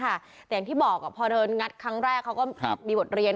แต่อย่างที่บอกพอเดินงัดครั้งแรกเขาก็มีบทเรียน